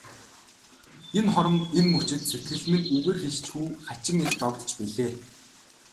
Энэ хором, энэ мөчид сэтгэл минь үгээр хэлшгүй хачин их догдолж билээ.